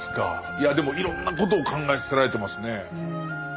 いやでもいろんなことを考えさせられてますね。